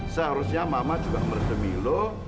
seharusnya mama juga berdua milo